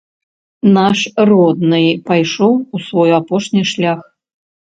Наш родны пайшоў у свой апошні шлях.